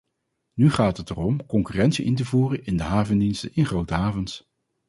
Nu gaat het erom concurrentie in te voeren in de havendiensten in grote havens.